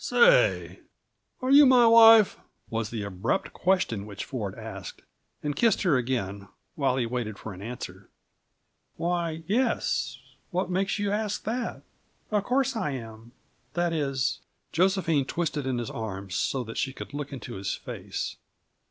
"Say! Are you my wife?" was the abrupt question which Ford asked, and kissed her again while he waited for an answer. "Why, yes what makes you ask that? Of course I am; that is " Josephine twisted in his arms, so that she could look into his face.